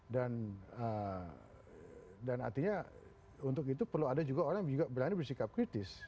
dan artinya untuk itu perlu ada juga orang yang berani bersikap kritis